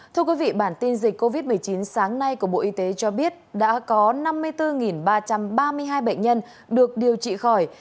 thưa quý vị bản tin dịch covid một mươi chín sáng nay của bộ y tế cho biết đã có năm mươi bốn ba trăm ba mươi hai bệnh nhân được điều trị khỏi